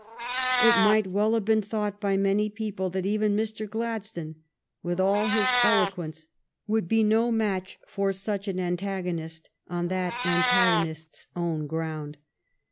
It might well" have been thought by many people that even Mr. Gladstone, with all his eloquence, would be no match for such an antagonist on that antagonist's own ground.